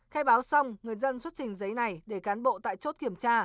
khai báo xong người dân xuất trình giấy này để cán bộ tại chốt kiểm tra